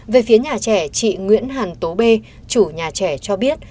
về phía nhà trẻ chị nguyễn hàn tố bê chủ nhà trẻ cho biết